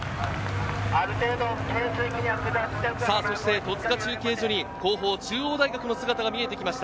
戸塚中継所に後方、中央大学の姿が見えてきました。